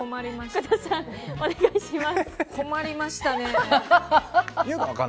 困りましたね。